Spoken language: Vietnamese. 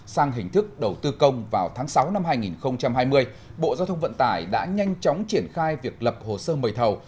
sang hình thức đầu tư công vào tháng sáu năm hai nghìn hai mươi bộ giao thông vận tải đã nhanh chóng triển khai việc lập hồ sơ mời thầu